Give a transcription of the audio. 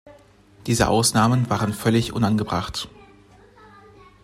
Diese Ausnahmen waren völlig unangebracht.